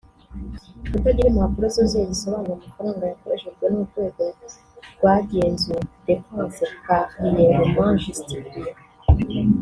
Kutagira impapuro zuzuye zisobanura amafaranga yakoreshejwe n’urwego rwagenzuwe (Dépenses partiellement justifiées);